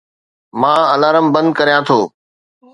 مان الارم بند ڪريان ٿو